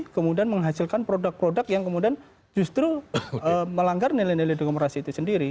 kemudian menghasilkan produk produk yang kemudian justru melanggar nilai nilai demokrasi itu sendiri